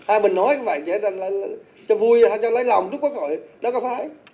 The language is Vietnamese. à mình nói các bạn cho vui cho lấy lòng trung quốc hội đó có phải